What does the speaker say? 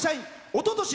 おととし